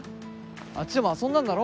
あっちでも遊んだんだろ？